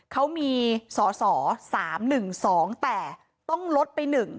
เขามีสอสอ๓๑๒แต่ต้องลดไป๑